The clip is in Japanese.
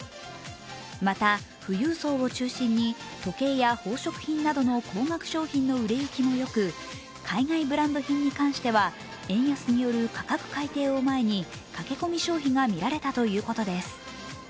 また富裕層を中心に時計や宝飾品などの高額商品の売れ行きもよく海外ブランド品に対しては円安による価格改定を前に、駆け込み消費が見られたということです